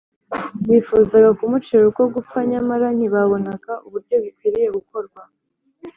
bifuzaga kumucira urwo gupfa, nyamara ntibabonaga uburyo bikwiriye gukorwa